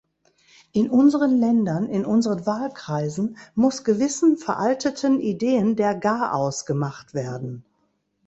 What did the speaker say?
In unseren Ländern, in unseren Wahlkreisen muss gewissen veralteten Ideen der Garaus gemacht werden.